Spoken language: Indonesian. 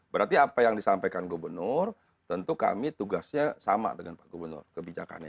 berarti apa yang disampaikan gubernur tentu kami tugasnya sama dengan pak gubernur kebijakannya